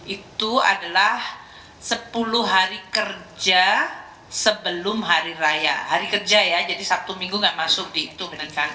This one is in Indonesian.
itu adalah sepuluh hari kerja sebelum hari raya hari kerja ya jadi sabtu minggu nggak masuk di itu pendidikan